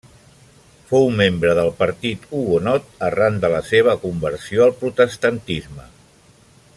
Fou membre del partit hugonot arran de la seva conversió al protestantisme.